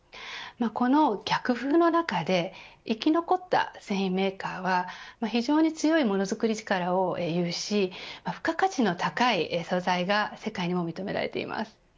この逆風の中で生き残った繊維メーカーは非常に強いものづくり力を有し付加価値の高い素材が世界にも認められています。